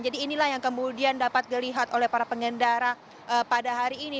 jadi inilah yang kemudian dapat dilihat oleh para pengendara pada hari ini